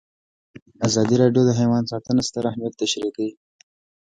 ازادي راډیو د حیوان ساتنه ستر اهميت تشریح کړی.